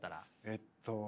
えっと。